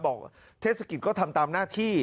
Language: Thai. เทศกิจก็ทำตามหน้าที่